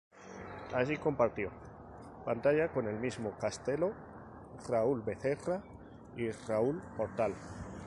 Allí, compartió pantalla con el mismo Castelo, Raúl Becerra y Raúl Portal.